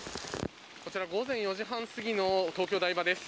こちら、午前４時半すぎの東京お台場です。